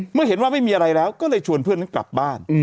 เมื่อเห็นว่าไม่มีอะไรแล้วก็เลยชวนเพื่อนนั้นกลับบ้าน